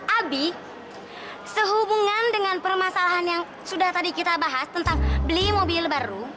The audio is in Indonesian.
abi sehubungan dengan permasalahan yang sudah tadi kita bahas tentang beli mobil baru